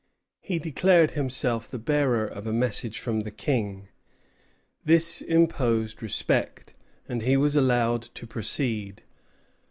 He declared himself the bearer of a message from the King. This imposed respect, and he was allowed to proceed.